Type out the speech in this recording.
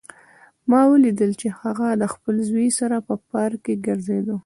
ما ولیدل چې هغه د خپل زوی سره په پارک کې ګرځېده